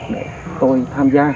để tôi tham gia